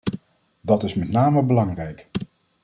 Dat is met name belangrijk.